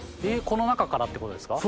この中からってことですか？